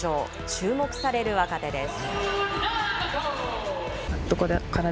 注目される若手です。